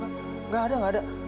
enggak ada enggak ada